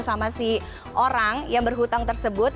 sama si orang yang berhutang tersebut